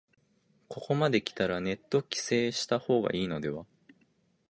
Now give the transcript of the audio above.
ここまできたらネット規制した方がいいのでは